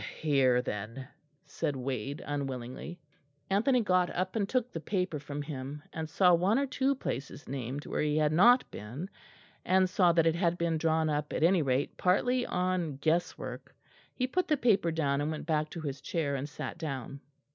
"Here then," said Wade unwillingly. Anthony got up and took the paper from him, and saw one or two places named where he had not been, and saw that it had been drawn up at any rate partly on guesswork. He put the paper down and went back to his chair and sat down.